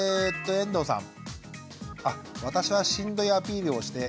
遠藤さん。